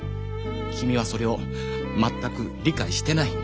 君はそれを全く理解してない。